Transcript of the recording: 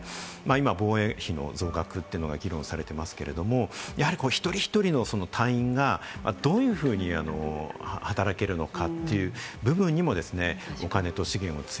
今、防衛費の増額というのが議論されていますけれども、一人一人の隊員がどういうふうに働けるのか？